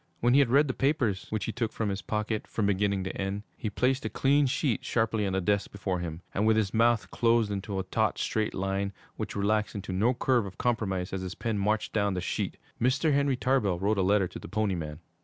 When he had read the papers, which he took from his pocket, from beginning to end, he placed a clean sheet sharply on the desk before him, and with his mouth closed into a taut, straight line which relaxed into no curve of compromise as his pen marched down the sheet, Mr. Henry Tarbell wrote a letter to the Pony Man.